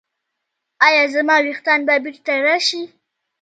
ایا زما ویښتان به بیرته راشي؟